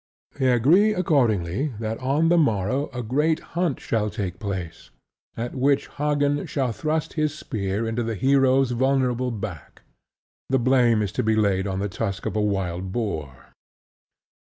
They agree accordingly that on the morrow a great hunt shall take place, at which Hagen shall thrust his spear into the hero's vulnerable back. The blame is to be laid on the tusk of a wild boar.